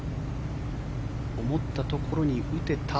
思ったところに打てた。